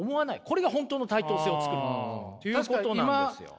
これが本当の対等性を作るということなんですよ。